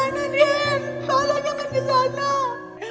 tolong jangan ke sana